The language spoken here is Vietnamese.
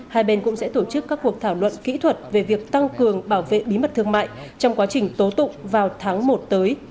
hai bên cũng sẽ tổ chức các cuộc thảo luận kỹ thuật về việc tăng cường bảo vệ bí mật thương mại trong quá trình tố tụng vào tháng một tới